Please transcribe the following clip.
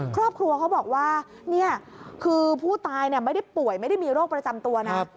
ครอบครัวเขาบอกว่านี่คือผู้ตายไม่ได้ป่วยไม่ได้มีโรคประจำตัวนะ